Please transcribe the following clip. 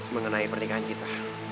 mengenai pernikahan kita